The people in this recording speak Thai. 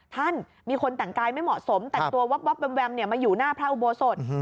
ท่านมีคนแต่งกายไม่เหมาะสมแต่งตัววับแวมมาอยู่หน้าพระอุโบสถ